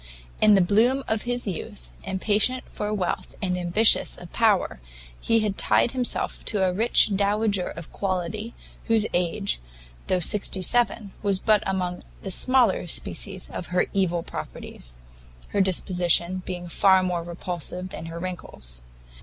In the bloom of his youth, impatient for wealth and ambitious of power, he had tied himself to a rich dowager of quality, whose age, though sixty seven, was but among the smaller species of her evil properties, her disposition being far more repulsive than her wrinkles.